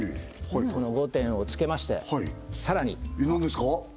この５点をつけましてさらにえっ何ですか？